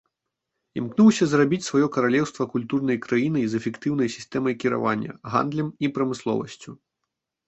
Імкнуўся зрабіць сваё каралеўства культурнай краінай з эфектыўнай сістэмай кіравання, гандлем і прамысловасцю.